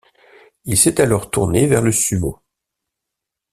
Il s'est alors tourné vers le sumo.